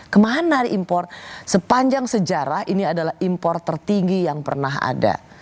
kemana diimpor sepanjang sejarah ini adalah impor tertinggi yang pernah ada